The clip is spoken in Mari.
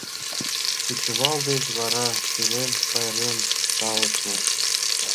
Кечывал деч вара сӱрем пайрем талышныш.